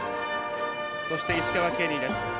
そして、石川ケニーです。